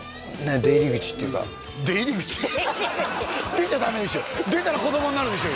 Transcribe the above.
出ちゃダメでしょ出たら子供になるんでしょ？